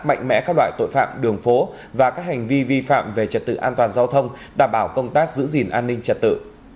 mạnh mẽ các loại tội phạm đường phố và các hành vi vi phạm về trật tự an toàn giao thông đảm bảo công tác giữ gìn an ninh trật tự